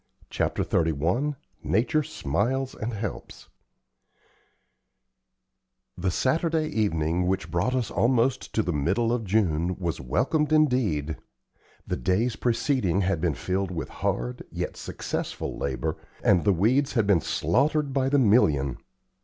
CHAPTER XXXI NATURE SMILES AND HELPS The Saturday evening which brought us almost to the middle of June was welcomed indeed. The days preceding had been filled with hard, yet successful labor, and the weeds had been slaughtered by the million.